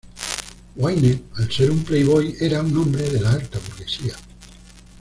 Wayne, al ser un playboy, era un hombre de la alta burguesía.